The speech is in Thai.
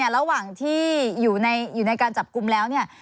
ระหว่างที่อยู่ในการจับกลุ่มแล้วเนี่ย